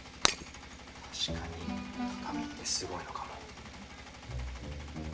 確かに畳ってすごいのかも。